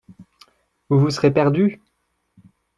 Vous vous serez perdue !